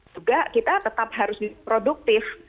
juga kita tetap harus produktif